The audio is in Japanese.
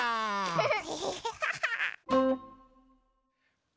フフフフ。